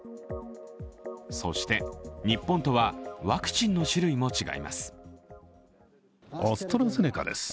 そして、日本とはワクチンの種類も違います。